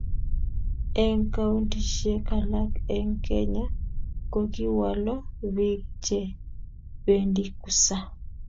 eng' kauntisiek alak eng' Kenya ko kiwolu biik che bendi kusaa